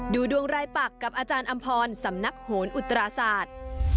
ดูดวงรายปักกับอาจารย์อำพรสำนักโหนอุตราศาสตร์